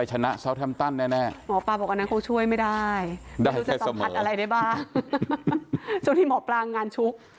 ช่วงที่หมอปลาบอกงานชุก